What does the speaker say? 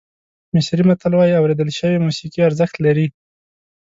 مصري متل وایي اورېدل شوې موسیقي ارزښت لري.